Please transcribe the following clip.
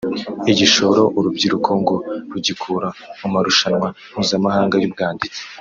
Igishoro uru rubyiruko ngo rugikura mu marushanwa mpuzamahanga y’ubwanditsi